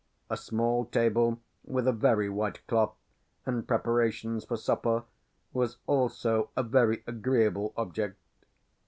A small table, with a very white cloth, and preparations for supper, was also a very agreeable object.